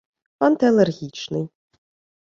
антиалергічний